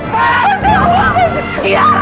ya allah mas